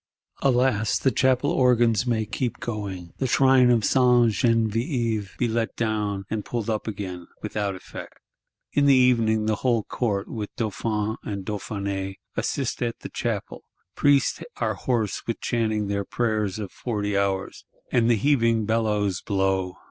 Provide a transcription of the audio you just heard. Alas, the Chapel organs may keep going; the Shrine of Sainte Genevieve be let down, and pulled up again,—without effect. In the evening the whole Court, with Dauphin and Dauphiness, assist at the Chapel: priests are hoarse with chanting their "Prayers of Forty Hours;" and the heaving bellows blow.